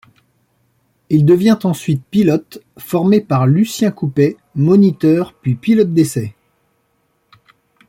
Il devient ensuite pilote, formé par Lucien Coupet, moniteur puis pilote d'essai.